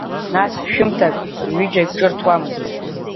Нас шәымҭак рҩыџьагь ҿырҭуамызт.